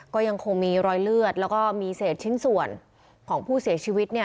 ก็ยังคงมีรอยเลือดแล้วก็มีเศษชิ้นส่วนของผู้เสียชีวิต